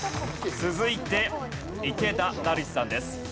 続いて池田成志さんです。